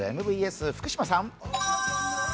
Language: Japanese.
ＭＢＳ福島さん。